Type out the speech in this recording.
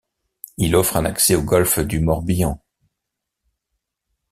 Il offre un accès au golfe du Morbihan.